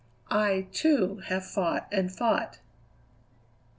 I, too, have fought and fought."